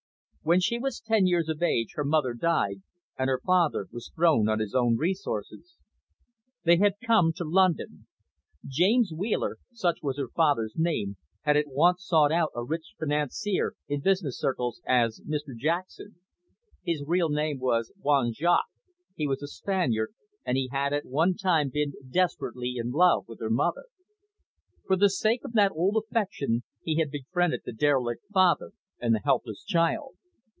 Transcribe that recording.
When she was ten years of age, her mother died, and her father was thrown on his own resources. They had come to London. James Wheeler, such was her father's name, had at once sought out a rich financier known in business circles as Mr Jackson. His real name was Juan Jaques, he was a Spaniard, and he had at one time been desperately in love with her mother. For the sake of that old affection, he had befriended the derelict father and the helpless child.